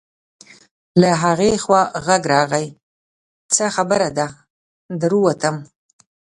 له هغې خوا غږ راغی: څه خبره ده، در ووتم.